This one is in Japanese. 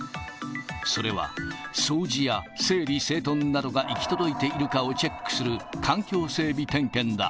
それは、掃除や整理整頓などが行き届いているかをチェックする環境整備点